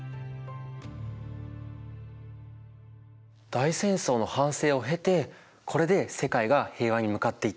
大戦争の反省を経てこれで世界が平和に向かっていった。